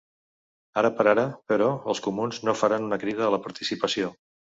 Ara per ara, però, els comuns no faran una crida a la participació.